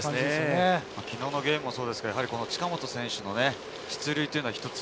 昨日のゲームもそうですが近本選手の出塁は一つ